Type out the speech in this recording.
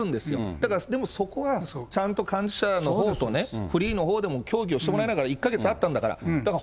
だから、でもそこはちゃんと幹事社のほうとフリーのほうでも協議をしてもらいながら、１か月あったんだから。